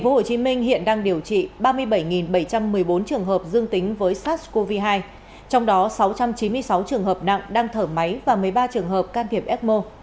tp hcm hiện đang điều trị ba mươi bảy bảy trăm một mươi bốn trường hợp dương tính với sars cov hai trong đó sáu trăm chín mươi sáu trường hợp nặng đang thở máy và một mươi ba trường hợp can thiệp ecmo